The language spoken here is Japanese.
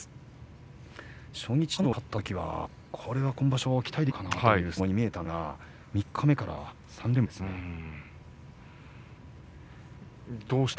初日、隆の勝に勝ったときはこれは今場所は期待できるかなという相撲に見えたんですが三日目から３連敗があって。